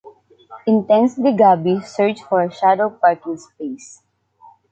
Intensely Gaby searched for a shadow parking space.